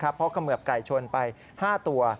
เพราะกระเมิบไก่ชนไป๕ตัว